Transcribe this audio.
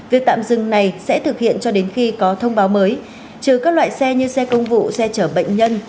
việc tạm dừng này sẽ thực hiện cho đến khi có thông báo mới trừ các loại xe như xe công vụ xe chở bệnh nhân